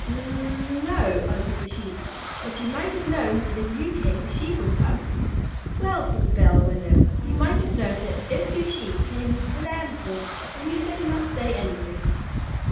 "N no," answered the Sheep; "but you might have known that if you came the Sheep would come." "Well," said the Bell Wether, "you might have known that if you Sheep came the Lambs would, so you'd better not say anything."